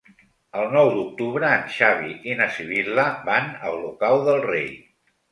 El nou d'octubre en Xavi i na Sibil·la van a Olocau del Rei.